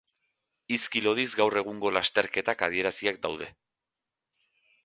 Hizki lodiz gaur egungo lasterketak adieraziak daude.